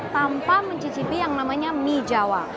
tanpa mencicipi yang namanya mie jawa